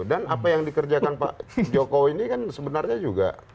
dan apa yang dikerjakan pak jokowi ini kan sebenarnya juga